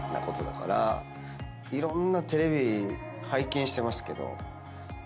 いろんなテレビ拝見してますけど。